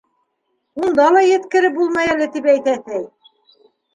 Унда ла еткереп булмай әле тип әйтә, ти.